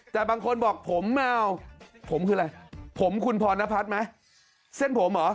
แต่บางคนบอกผมเอาผมคืออะไรผมคุณพรณพัฒน์ไหมเส้นผมเหรอ